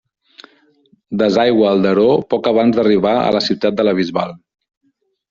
Desaigua al Daró poc abans d'arribar a la ciutat de la Bisbal.